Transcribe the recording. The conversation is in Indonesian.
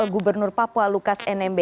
gubernur papua lukas nmb